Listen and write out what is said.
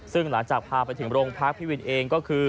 ซึ่งหลังจากพาไปถึงโรงพักพี่วินเองก็คือ